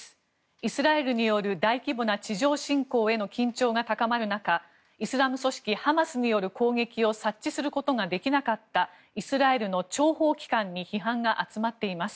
イスラエルによる大規模な地上侵攻への緊張が高まる中イスラム組織ハマスによる攻撃を察知することができなかったイスラエルの諜報機関に批判が集まっています。